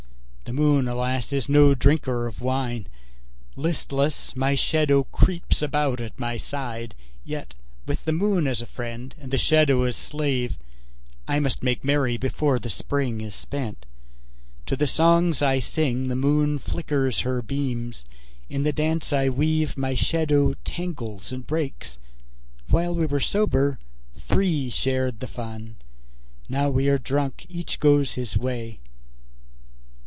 The moon, alas, is no drinker of wine; Listless, my shadow creeps about at my side. Yet with the moon as friend and the shadow as slave I must make merry before the Spring is spent. To the songs I sing the moon flickers her beams; In the dance I weave my shadow tangles and breaks. While we were sober, three shared the fun; Now we are drunk, each goes his way.